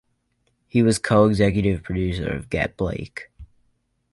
He was co-executive producer of "Get Blake!".